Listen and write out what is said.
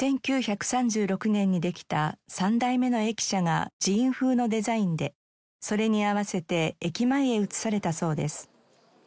１９３６年にできた３代目の駅舎が寺院風のデザインでそれに合わせて駅前へ移されたそうです。